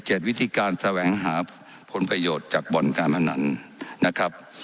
วิธีการแสวงหาผลประโยชน์จากบ่อนการพนันนะครับ